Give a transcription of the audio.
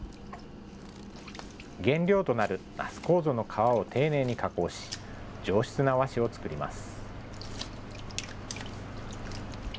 原料となる那須楮の皮を丁寧に加工し、上質な和紙を作ります。